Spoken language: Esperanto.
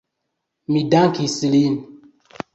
Mi dankis lin.